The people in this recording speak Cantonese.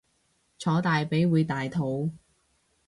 坐大髀會大肚